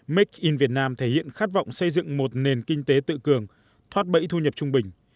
make in việt nam thể hiện khát vọng xây dựng một nền kinh tế tự cường thoát bẫy thu nhập trung bình